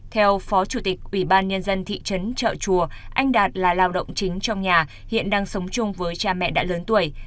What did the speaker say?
theo phó chủ tịch ủy ban nhân dân thị trấn trợ chùa anh đạt là lao động chính trong nhà hiện đang sống chung với cha mẹ đã lớn tuổi